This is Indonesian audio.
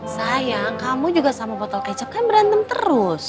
sayang kamu juga sama botol kecap kan berantem terus